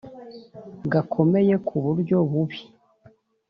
gakomeye ku buryo bubi